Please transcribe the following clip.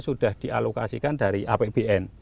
sudah dialokasikan dari apbn